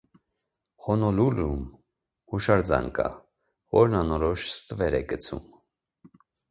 Հոնոլուլուում հուշարձան կա, որն անորոշ ստվեր է գցում։